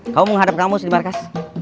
kamu menghadap kamu di markas